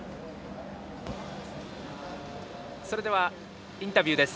それではインタビューです。